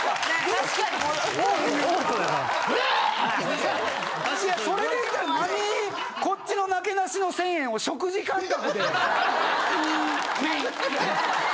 確かにそれで言ったら何こっちのなけなしの１０００円を食事感覚でミンメンッって。